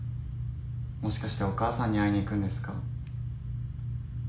もしかしてお母さんに会いに行くんですか？